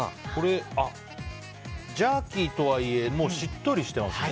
ジャーキーとはいえもう、しっとりしてますね。